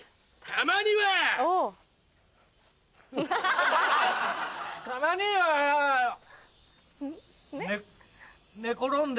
たまには。ね。